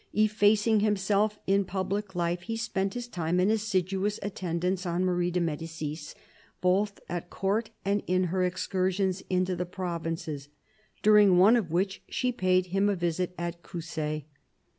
Effacing himself in public life, he spent his time in assiduous attendance on Marie de Medicis, both at Court and in her excursions into the provinces, during one of which she paid him a visit at Coussay.